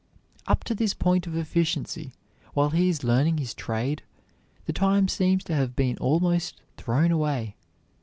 Up to this point of efficiency, while he is learning his trade, the time seems to have been almost thrown away.